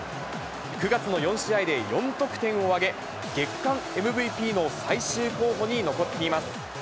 ９月の４試合で４得点を挙げ、月間ＭＶＰの最終候補に残っています。